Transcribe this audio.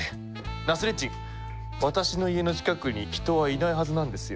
ナスレッディン「私の家の近くに人はいないはずなんですよ」。